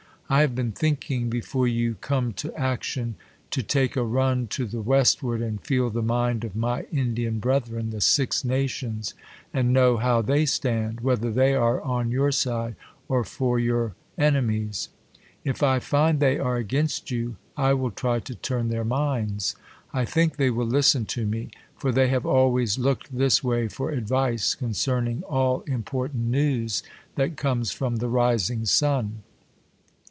I have been thinking, before you come to action, to take a run to the westward, and feel the mind of my Indian brethren, the Six Nations, and know how. 'hey stand; whether they are on your side, or foj' • YOU I \ THE COLUMBIAN ORATOR. 55 your enemies. If I find they are against vou, I will try to turn their minds. I think they will listen to me , for they have always looked this way for advice, concerning all important news that comes from the rising sun.